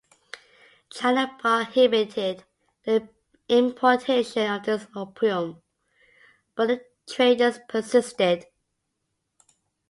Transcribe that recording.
China prohibited the importation of this opium, but the traders persisted.